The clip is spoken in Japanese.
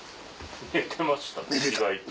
寝てましたね意外と。